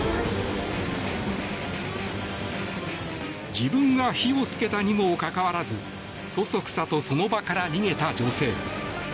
自分が火をつけたにもかかわらずそそくさとその場から逃げた女性。